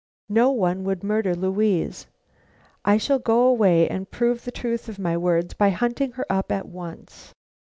No one would murder Louise. I shall go away and prove the truth of my words by hunting her up at once."